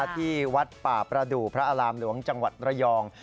ที่วัดป่าประดูกพระอารามหลวงจังหวัดระยอง